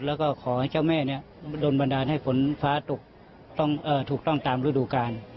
แล้วก็ขอให้เจ้าแม่โดนบันดาลให้ฝนฟ้าตกต้องถูกต้องตามฤดูกาล